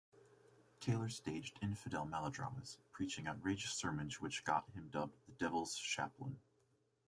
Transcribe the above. Taylor staged infidel melodramas, preaching outrageous sermons which got him dubbed "The Devil's Chaplain".